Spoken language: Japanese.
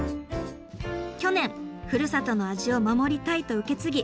去年「ふるさとの味を守りたい」と受け継ぎ